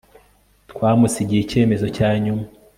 twamusigiye icyemezo cya nyuma